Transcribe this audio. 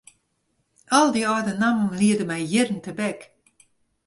Al dy âlde nammen liede my jierren tebek.